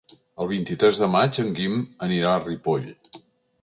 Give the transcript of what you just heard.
El vint-i-tres de maig en Guim anirà a Ripoll.